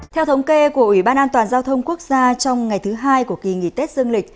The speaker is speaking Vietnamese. theo thống kê của ủy ban an toàn giao thông quốc gia trong ngày thứ hai của kỳ nghỉ tết dương lịch